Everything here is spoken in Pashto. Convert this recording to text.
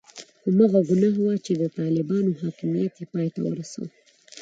هماغه ګناه وه چې د طالبانو حاکمیت یې پای ته ورساوه.